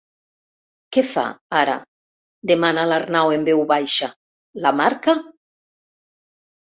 Què fa, ara? —demana l'Arnau en veu baixa— La marca?